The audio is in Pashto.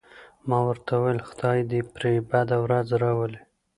ما ورته وویل: خدای دې پرې بده ورځ راولي.